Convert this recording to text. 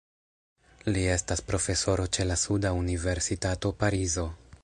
Li estas profesoro ĉe la suda universitato Parizo.